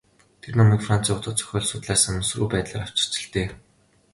Тэр номыг Францын утга зохиол судлаач санамсаргүй байдлаар авчхаж л дээ.